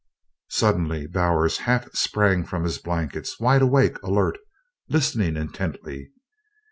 Suddenly Bowers half sprang from his blankets wide awake, alert, listening intently.